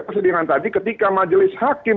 persidangan tadi ketika majelis hakim